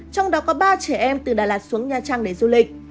trong đó có ba trẻ em từ đà lạt xuống nha trang để du lịch